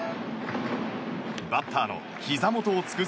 バッターのひざ元をつく